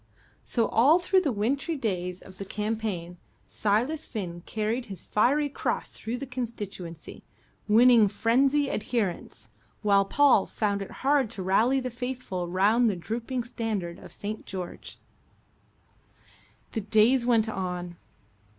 So, all through the wintry days of the campaign, Silas Finn carried his fiery cross through the constituency, winning frenzied adherents, while Paul found it hard to rally the faithful round the drooping standard of St. George. The days went on.